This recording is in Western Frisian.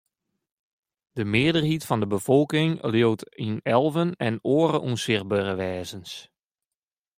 De mearheid fan de befolking leaut yn elven en oare ûnsichtbere wêzens.